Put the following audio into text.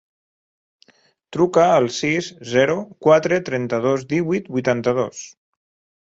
Truca al sis, zero, quatre, trenta-dos, divuit, vuitanta-dos.